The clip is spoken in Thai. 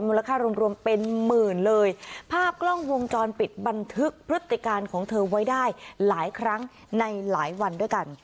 มูลค่ารวมรวมเป็นหมื่นเลยภาพกล้องวงจรปิดบันทึกพฤติการของเธอไว้ได้หลายครั้งในหลายวันด้วยกัน